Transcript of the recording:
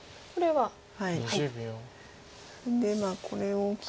はい。